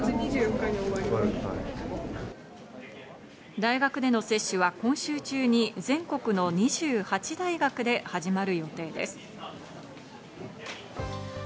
大学での接種は今週中に全国の２８大学で始まる予定です。